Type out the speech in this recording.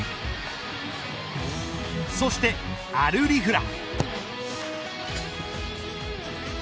そしてアル・リフラ。